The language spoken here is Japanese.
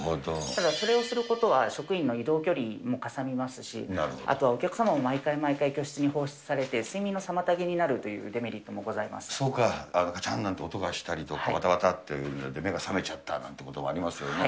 ただそれをすることは、職員の移動距離もかさみますし、あとはお客様も毎回毎回、居室に訪室されて、睡眠の妨げになるとそうか、がちゃんなんて音がしたりとか、ばたばたというので目が覚めちゃったなんていうこともありますよね。